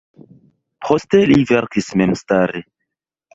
Poste li verkis memstare.